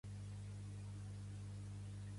Aquests ocells habiten a l'Àfrica subsahariana.